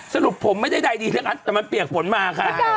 สรุปผมไม่ได้ได้ดีแล้วแต่มันเปียกผลมาค่ะ